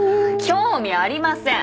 興味ありません。